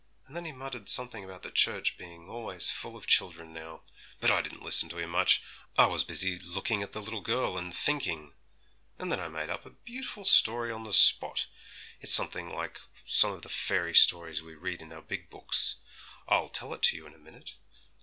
and then he muttered something about the church being always full of children now. But I didn't listen to him much; I was busy looking at the little girl, and thinking, and then I made up a beautiful story on the spot; it's something like some of the fairy stories we read in our big books. I'll tell it to you in a minute.